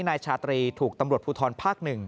นายชาตรีถูกตำรวจภูทรภาค๑